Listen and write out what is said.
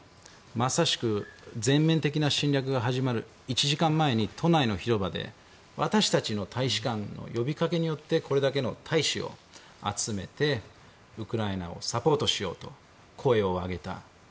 まさしく全面的な侵略が始まる１時間前に都内の広場で私たちの大使館の呼びかけによってこれだけの大使を集めてウクライナをサポートしようと声を上げた。